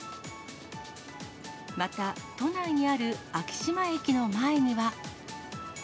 また、都内にある昭島駅の前には。